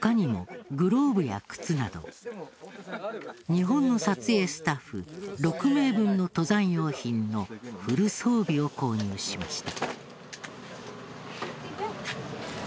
日本の撮影スタッフ６名分の登山用品のフル装備を購入しました。